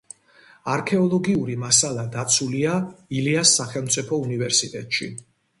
არქეოლოგიური მასალა დაცულია ილიას სახელმწიფო უნივერსიტეტში.